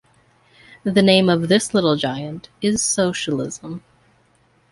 The name of this little giant is socialism.